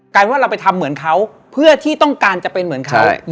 ว่าเราไปทำเหมือนเขาเพื่อที่ต้องการจะเป็นเหมือนเขา